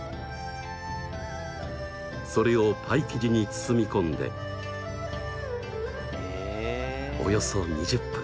それをパイ生地に包み込んでおよそ２０分。